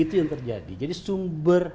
itu yang terjadi jadi sumber